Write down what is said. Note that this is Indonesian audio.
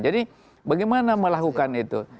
jadi bagaimana melakukan itu